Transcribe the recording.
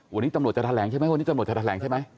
วันนี้ตำรวจจะแถลงใช่ไหมวันนี้ตำรวจจะแถลงใช่ไหม